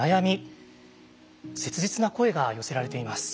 切実な声が寄せられています。